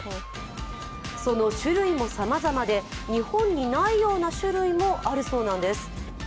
種類もさまざまで日本にないような種類もあるそうなんです。